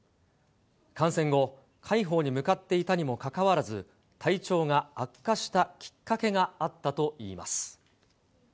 感染後、快方に向かっていたにもかかわらず、体調が悪化したきっかけがあったといいます。